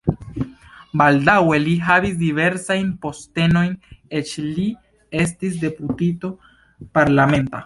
Baldaŭe li havis diversajn postenojn, eĉ li estis deputito parlamenta.